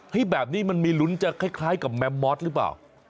แบบนี้มันมีลุ้นจะคล้ายกับแมมมอสหรือเปล่า